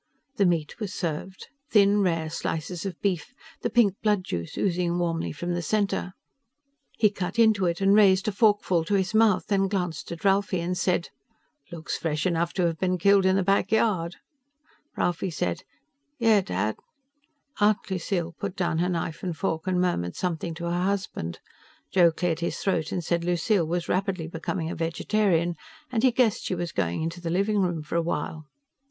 The meat was served thin, rare slices of beef, the pink blood juice oozing warmly from the center. He cut into it and raised a forkful to his mouth, then glanced at Ralphie and said, "Looks fresh enough to have been killed in the back yard." Ralphie said, "Yeah, Dad." Aunt Lucille put down her knife and fork and murmured something to her husband. Joe cleared his throat and said Lucille was rapidly becoming a vegetarian and he guessed she was going into the living room for a while.